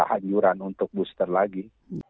hanyuran untuk booster lagi